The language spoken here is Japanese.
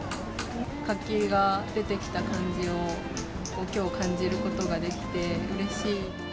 活気が出てきた感じをきょう感じることができて、うれしい。